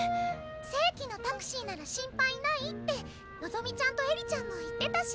正規のタクシーなら心配ないって希ちゃんと絵里ちゃんも言ってたし。